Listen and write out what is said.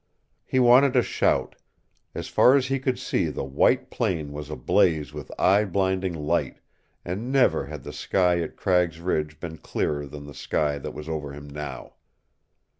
He wanted to shout. As far as he could see the white plain was ablaze with eye blinding light, and never had the sky at Cragg's Ridge been clearer than the sky that was over him now.